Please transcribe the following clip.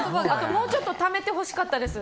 もうちょっとためてほしかったです。